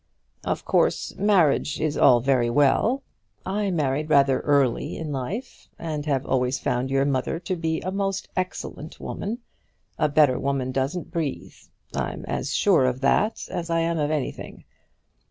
"Of course marriage is all very well. I married rather early in life, and have always found your mother to be a most excellent woman. A better woman doesn't breathe. I'm as sure of that as I am of anything.